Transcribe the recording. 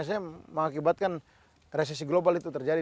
biasanya mengakibatkan resesi global itu terjadi